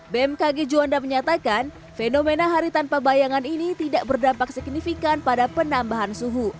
bmkg juanda menyatakan fenomena hari tanpa bayangan ini tidak berdampak signifikan pada penambahan suhu